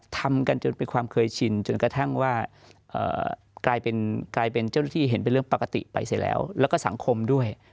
ทำกันจนเป็นความเคยชินจนกระทั่งว่ากลายเป็นเจ้าหน้าที่เห็นเป็นเรื่องปกติไปเสร็จแล้วแล้วก็สังคมด้วย